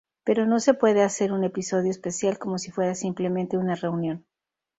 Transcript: Pero no se puede hacer un episodio especial como si fuera simplemente una reunión.